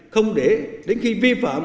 không để đến khi vi phạm